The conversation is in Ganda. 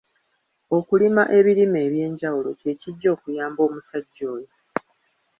Okulima ebirime eby'enjawulo kye kijja okuyamba omusajja oyo.